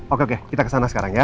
oke kita kesana sekarang ya